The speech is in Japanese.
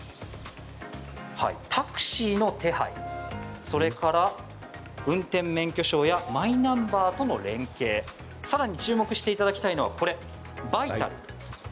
タクシーの手配、それから運転免許証やマイナンバーとの連携さらに注目していただきたいのはこれ、バイタル。